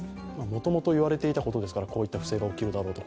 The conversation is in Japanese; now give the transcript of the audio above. もともと言われていたことですから、こういった不正が起きるだろうと。